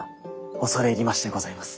恐れ入りましてございます。